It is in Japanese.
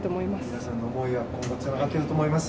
皆さんの思いは今後つながっていくと思います。